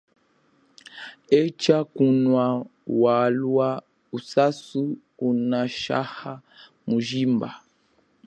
Etsha kunwa walwa usasu unashaha mujimba.